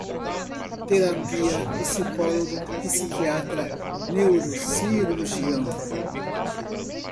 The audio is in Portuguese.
Terapia, psicólogo, psiquiatra, neurocirurgião